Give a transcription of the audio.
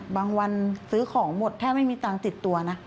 วันซื้อของหมดแทบไม่มีตังค์ติดตัวนะ